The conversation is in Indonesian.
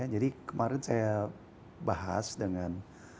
jadi kemarin saya bahas dengan